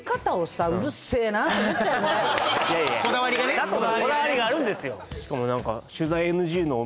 いやいやこだわりがあるんですよ